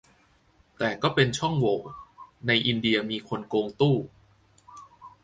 แต่ก็เป็นช่องโหว่ - ในอินเดียมีคนโกงตู้